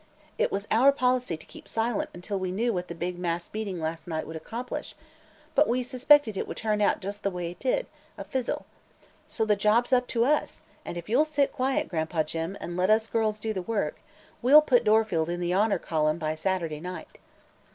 It was our policy to keep silent until we knew what the big mass meeting last night would accomplish, but we suspected it would turn out just the way it did a fizzle. So the job's up to us, and if you'll sit quiet, Gran'pa Jim, and let us girls do the work, we'll put Dorfield in the honor column by Saturday night."